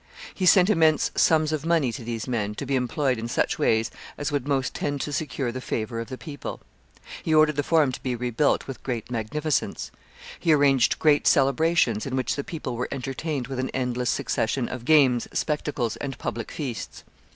He sent immense sums of money to these men, to be employed in such ways as would most tend to secure the favor of the people. He ordered the Forum to be rebuilt with great magnificence. He arranged great celebrations, in which the people were entertained with an endless succession of games, spectacles, and public feasts.